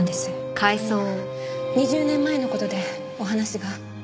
あの２０年前の事でお話が。